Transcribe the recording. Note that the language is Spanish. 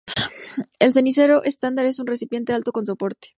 El cenicero estándar es un recipiente alto con soporte.